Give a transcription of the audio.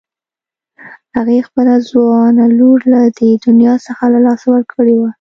هغې خپله ځوانه لور له دې دنيا څخه له لاسه ورکړې وه.